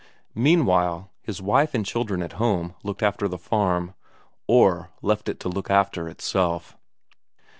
Meanwhile his wife and children at home looked after the farm, or left it to look after itself.